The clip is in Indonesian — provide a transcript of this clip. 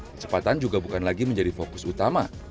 kecepatan juga bukan lagi menjadi fokus utama